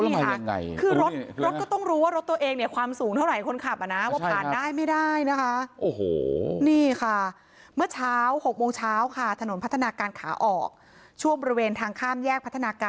นี่อ่ะคือรถก็ต้องรู้ว่ารถตัวเองเนี่ยความสูงเท่าไหร่คนขับอ่ะนะ